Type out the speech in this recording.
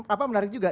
apa menarik juga